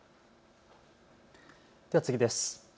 では次です。